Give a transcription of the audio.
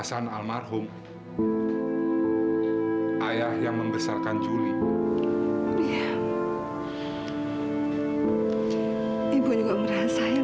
sampai jumpa di video selanjutnya